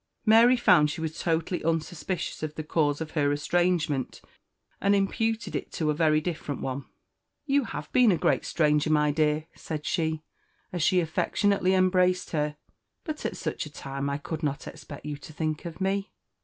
Mary found she was totally unsuspicious of the cause of her estrangement, and imputed it to a very different one. "You have been a great stranger, my dear!" said she, as she affectionately embraced her; "but at such a time I could not expect you to think of me."